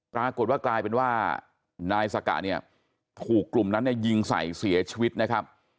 ปรากฏว่ากลายเป็นว่านายสกะเนี่ยถูกกลุ่มนั้นเนี่ยยิงใส่เสียชีวิตนะครับ